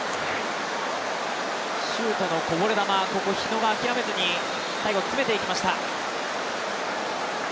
シュートのこぼれ球、ここは日野が諦めずに最後詰めていきました。